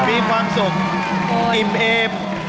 มีความสุขอิ่ม